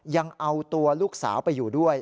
ยังเอาตัวลูกสาวไปอยู่ด้วย